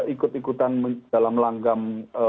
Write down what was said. ikut ikutan dalam langgam